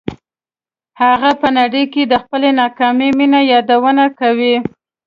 هغه په نړۍ کې د خپلې ناکامې مینې یادونه کوي